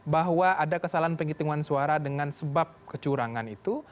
bahwa ada kesalahan penghitungan suara dengan sebab kecurangan itu